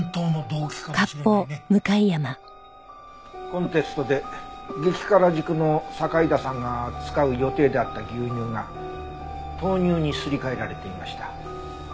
コンテストで激辛塾の堺田さんが使う予定だった牛乳が豆乳にすり替えられていました。